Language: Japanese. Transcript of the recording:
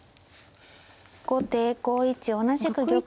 後手５一同じく玉。